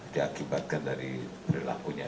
diakibatkan dari berlakunya